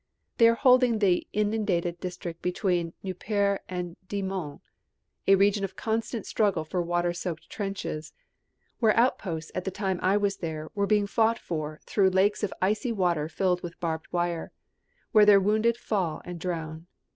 They are holding the inundated district between Nieuport and Dixmude, a region of constant struggle for water soaked trenches, where outposts at the time I was there were being fought for through lakes of icy water filled with barbed wire, where their wounded fall and drown.